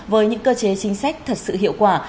với những cơ chế chính sách thật sự hiệu quả